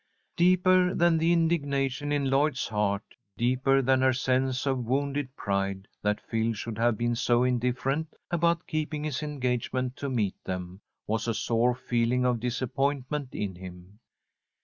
Deeper than the indignation in Lloyd's heart, deeper than her sense of wounded pride that Phil should have been so indifferent about keeping his engagement to meet them, was a sore feeling of disappointment in him.